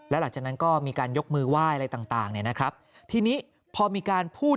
แล้วหลังจากนั้นก็มีการยกมือไหว้อะไรต่างต่างเนี่ยนะครับทีนี้พอมีการพูด